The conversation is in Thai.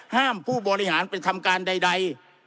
ห้ามผู้บริหารเป็นคำการใด